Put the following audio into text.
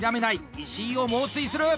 石井を猛追する！